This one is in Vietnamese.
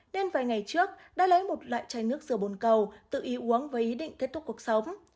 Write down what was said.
nên vài ngày trước đã lấy một loại chai nước rửa bồn cầu tự ý uống với ý định kết thúc cuộc sống